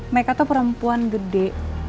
mereka tuh perempuan gede